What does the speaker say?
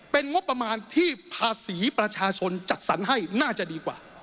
เป็นงบประมาณที่ภาษีประชาชนจัดสรรให้น่าจะดีกว่า